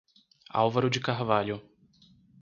Álvaro de Carvalho